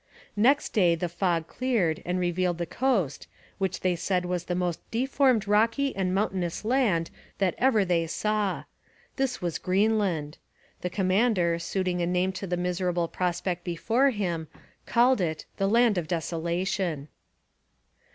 Next day the fog cleared and revealed the coast, which they said was the most deformed rocky and mountainous land that ever they saw. This was Greenland. The commander, suiting a name to the miserable prospect before him, called it the Land of Desolation.